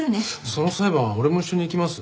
その裁判俺も一緒に行きます。